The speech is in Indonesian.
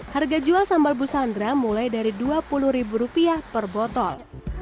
harga jual sambal busandra mulai dari rp dua puluh ribu rupiah per botol